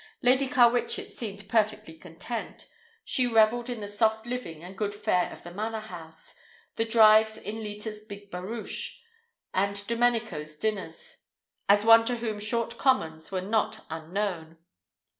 Lady Carwitchet seemed perfectly content. She reveled in the soft living and good fare of the Manor House, the drives in Leta's big barouche, and Domenico's dinners, as one to whom short commons were not unknown.